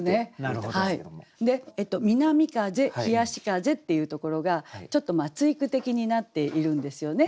「みなみ風」「ひやし風」っていうところがちょっと対句的になっているんですよね。